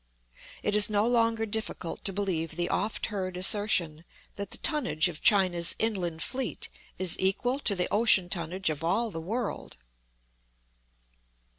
It is no longer difficult to believe the oft heard assertion, that the tonnage of China's inland fleet is equal to the ocean tonnage of all the world.